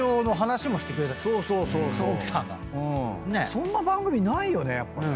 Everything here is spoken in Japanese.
そんな番組ないよねやっぱね。